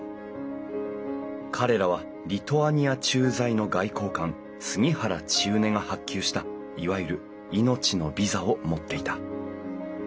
彼らはリトアニア駐在の外交官杉原千畝が発給したいわゆる「命のビザ」を持っていた。